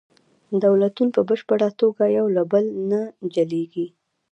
دولتونه په بشپړه توګه یو له بل نه جلیږي